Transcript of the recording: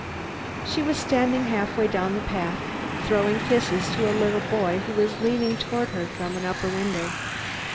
She was standing half way down the path, throwing kisses to a little boy who was leaning toward her from an upper window.